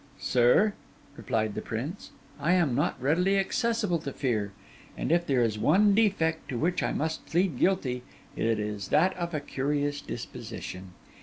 'Sir,' replied the prince, 'I am not readily accessible to fear; and if there is one defect to which I must plead guilty, it is that of a curious disposition.